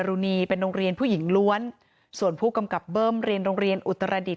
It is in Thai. รุณีเป็นโรงเรียนผู้หญิงล้วนส่วนผู้กำกับเบิ้มเรียนโรงเรียนอุตรดิษฐ